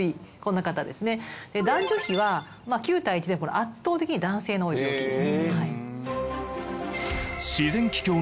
男女比は９対１で圧倒的に男性の多い病気です。